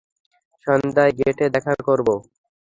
সন্ধ্যায় গেটে দেখা করব।